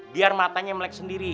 biar matanya melek sendiri